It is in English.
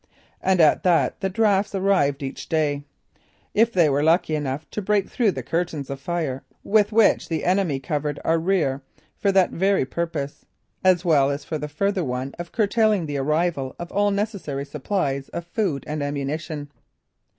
And at that the drafts arrived each day if they were lucky enough to break through the curtains of fire with which the enemy covered our rear for that very purpose, as well as for the further one of curtailing the arrival of all necessary supplies of food and ammunition.